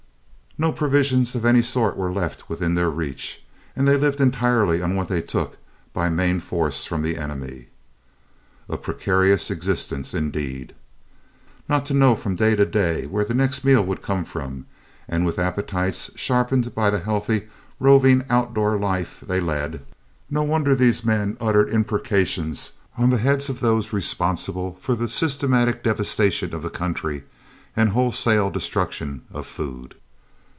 No provisions of any sort were left within their reach and they lived entirely on what they took by main force from the enemy. A precarious existence indeed! Not to know from day to day where the next meal would come from and with appetites sharpened by the healthy, roving, outdoor life they led, no wonder these men uttered imprecations on the heads of those responsible for the systematic devastation of the country and wholesale destruction of food.